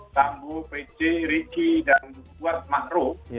sambu pece riki dan buat makro